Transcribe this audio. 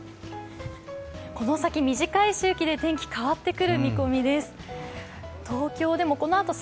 この先短い周期で天気が変わってくる見込みです。